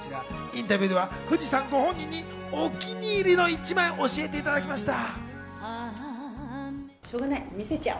インタビューでは藤さんご本人にお気に入りの一枚を教えていただきました。